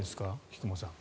菊間さん。